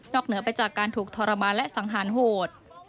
เหนือไปจากการถูกทรมานและสังหารโหด